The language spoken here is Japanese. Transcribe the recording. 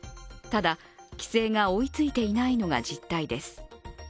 ただ、規制が追いついていないのが実態です。